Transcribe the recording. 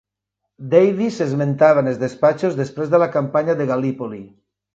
Davies s'esmentava en els despatxos després de la campanya de Gal·lípoli.